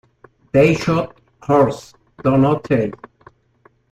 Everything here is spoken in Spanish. They Shoot Horses, Don't They?